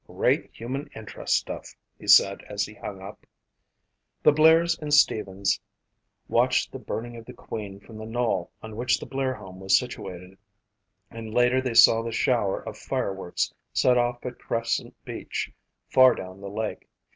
"Great human interest stuff," he said as he hung up. The Blairs and Stevens watched the burning of the Queen from the knoll on which the Blair home was situated and later they saw the shower of fireworks set off at Crescent Beach, far down the lake.